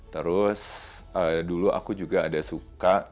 terus dulu aku juga ada suka